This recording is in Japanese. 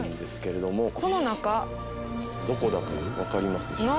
どこだかわかりますでしょうか？